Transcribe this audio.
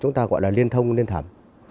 nó gọi là liên thông liên thẩm